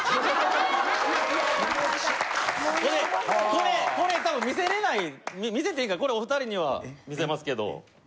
これこれ多分見せれない見せていいんかこれお２人には見せますけど。